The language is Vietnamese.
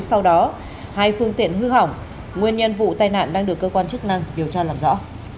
sau đó hai phương tiện hư hỏng nguyên nhân vụ tai nạn đang được cơ quan chức năng điều tra làm rõ